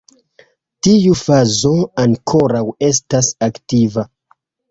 Tiu fazo ankoraŭ estas aktiva.